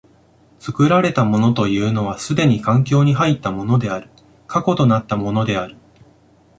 作られたものというのは既に環境に入ったものである、過去となったものである。